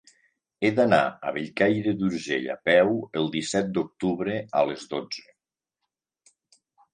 He d'anar a Bellcaire d'Urgell a peu el disset d'octubre a les dotze.